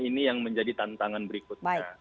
ini yang menjadi tantangan berikutnya